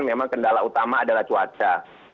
memang kendala utama adalah cuaca